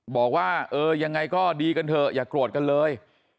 บอกว่าเออยังไงก็ดีกันเถอะอย่าโกรธกันเลย